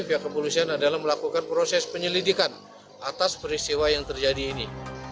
pihak kepolisian adalah melakukan proses penyelidikan atas peristiwa yang terjadi ini